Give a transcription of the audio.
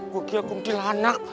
gua kira kumtil anak